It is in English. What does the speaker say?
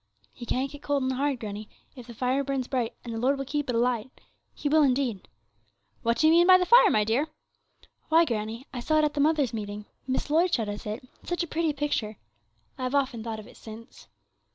'Ye can't get cold and hard, granny, if the fire burns bright; and the Lord will keep it alight. He will indeed.' 'What do you mean by the fire, my dear?' 'Why, granny, I saw it at the Mothers' Meeting, Miss Lloyd showed us it, such a pretty picture! I've often thought of it since.'